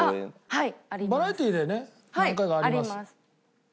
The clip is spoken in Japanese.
「はい」！？